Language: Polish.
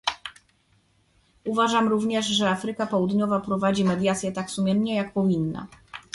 Uważam również, że Afryka Południowa prowadzi mediacje tak sumiennie, jak powinna